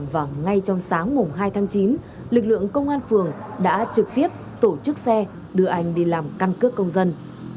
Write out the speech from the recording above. và ngay trong sáng mùng hai tháng chín lực lượng công an phường đã trực tiếp tổ chức xe đưa anh đi làm căn cước công dân